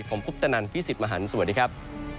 ผมคุปตนันพี่สิทธิ์มหันฯสวัสดีครับ